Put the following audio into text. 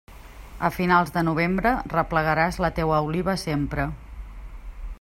A finals de novembre, replegaràs la teua oliva sempre.